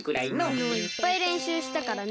きのういっぱいれんしゅうしたからね。